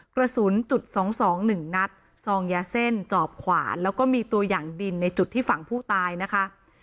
กระสุนจุด๒๒๑นัดซองยาเส้นจอบขวานแล้วก็มีตัวอย่างดินในจุดที่ฝั่งผู้ตายนะคะ